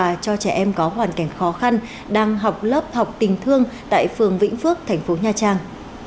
đoàn đã tổ chức cho trẻ em có hoàn cảnh khó khăn đang học lớp học tình thương tại phường vĩnh phước thành phố nha trang